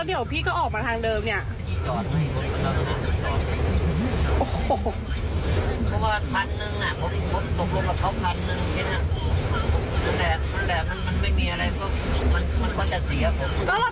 เห็นใจผมบ้างสิครับ